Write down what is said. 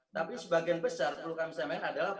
tapi sebagian besar perlu kami sampaikan adalah